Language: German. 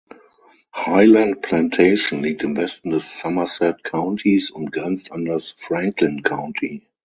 Highland Plantation liegt im Westen des Somerset Countys und grenzt an das Franklin County.